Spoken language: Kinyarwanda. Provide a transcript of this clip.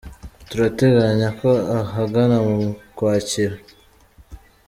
turateganya ko ahagana mu Ukwakira.